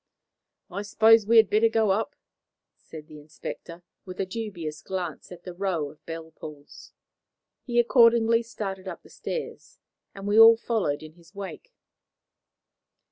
"I suppose we had better go up," said the inspector, with a dubious glance at the row of bell pulls. He accordingly started up the stairs, and we all followed in his wake.